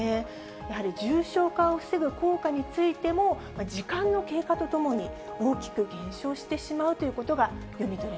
やはり重症化を防ぐ効果についても、時間の経過とともに大きく減少してしまうということが読み取れ